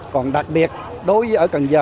còn đặc biệt đối với ở cần giờ